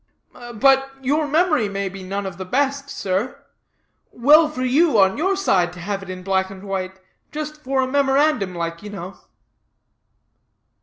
"But your memory may be none of the best, sir. Well for you, on your side, to have it in black and white, just for a memorandum like, you know."